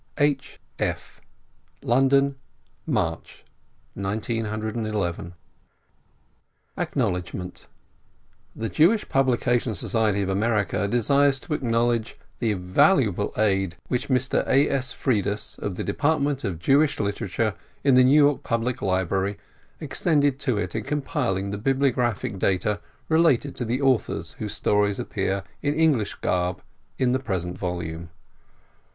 TT „ Jd. r . LONDON, MABCH, 1911 ACKNOWLEDGMENT The Jewish Publication Society of America desires to acknowledge the valuable aid which Mr. A. S. Freidus, of the Department of Jewish Literature, in the New York Public Library, extended to it in compiling the bio graphical data relating to the authors whose stories ap pear in English garb in the present volume.